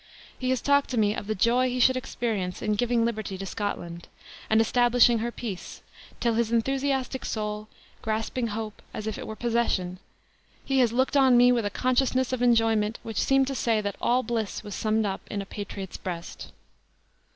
He has talked to me of the joy he should experience in giving liberty to Scotland, and establishing her peace, till his enthusiastic soul, grasping hope, as if it were possession, he has looked on me with a consciousness of enjoyment which seemed to say that all bliss was summed up in a patriot's breast.